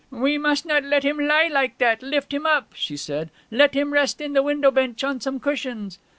'We must not let him lie like that, lift him up,' she said. 'Let him rest in the window bench on some cushions.'